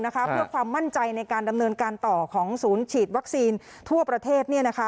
เพื่อความมั่นใจในการดำเนินการต่อของศูนย์ฉีดวัคซีนทั่วประเทศ